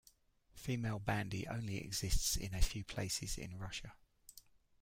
Female bandy only exists in a few places in Russia.